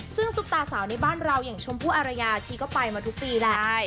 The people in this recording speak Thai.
ซึ่งซุปตาสาวในบ้านเราอย่างชมพู่อารยาชีก็ไปมาทุกปีแหละ